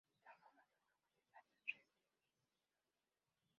Es una forma de flujo de datos restringido.